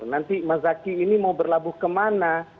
nanti mas zaky ini mau berlabuh kemana